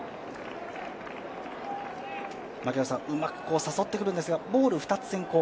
うまく誘ってくるんですが、ボール２つ先行。